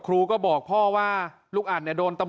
ส่งมาขอความช่วยเหลือจากเพื่อนครับ